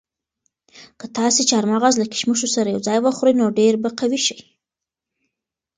که تاسي چهارمغز له کشمشو سره یو ځای وخورئ نو ډېر به قوي شئ.